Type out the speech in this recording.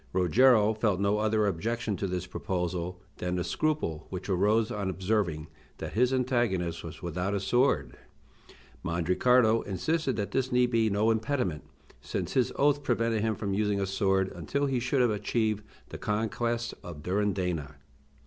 Rogero felt no other objection to this proposal than the scruple which arose on observing that his antagonist was without a sword. Mandricardo insisted that this need be no impediment, since his oath prevented him from using a sword until he should have achieved the conquest of Durindana.